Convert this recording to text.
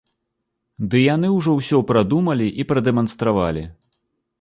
Ды яны ўжо ўсё прадумалі і прадэманстравалі.